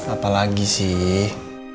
apa lagi sih